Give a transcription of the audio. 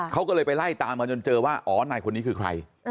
เขาก็เลยไปไล่ตามมาจนเจอว่าอ๋อนายคนนี้คือใคร